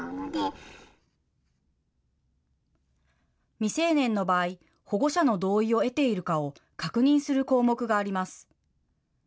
未成年の場合、保護者の同意を得ているかを確認する項目があります。